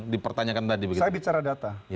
dipertanyakan tadi saya bicara data